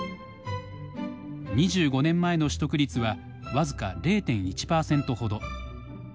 ２５年前の取得率は僅か０．１％ほど。